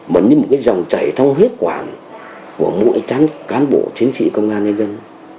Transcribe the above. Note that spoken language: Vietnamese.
mà như một cái dòng chảy thông huyết quản của mỗi cán bộ chiến sĩ công an nhân dân